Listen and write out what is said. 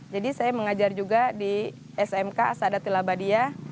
jadi saya mengajar juga di smk asadatul abadiah